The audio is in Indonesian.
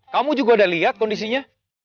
kamu juga udah lihat kondisinya